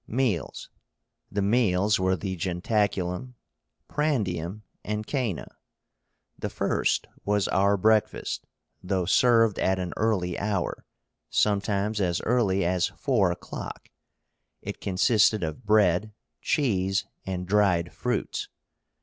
MEALS. The meals were the JENTACULUM, PRANDIUM, and COENA. The first was our breakfast, though served at an early hour, sometimes as early as four o'clock. It consisted of bread, cheese, and dried fruits.